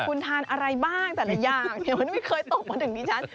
คุณทานอะไรบ้างแต่ละอย่างมันไม่เคยตกมาถึงดิฉัน